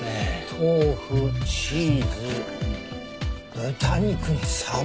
豆腐チーズ豚肉にさば？